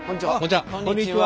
こんにちは！